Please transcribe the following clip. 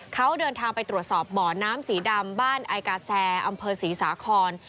เขาเดินทางไปตรวจสอบบ่อน้ำสีดำบ้านไอกาแซอำเภอศรีสาคร